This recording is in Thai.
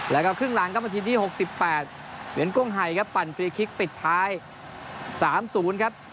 แล้วก็ครึ่งหลังครับนาทีที่๖๘เหรียญกุ้งไห่ครับปั่นฟรีคลิกปิดท้าย๓๐ครับ